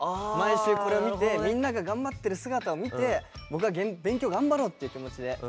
毎週これを見てみんなが頑張ってる姿を見て僕は勉強頑張ろうっていう気持ちで。